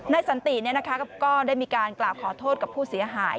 สันติก็ได้มีการกล่าวขอโทษกับผู้เสียหาย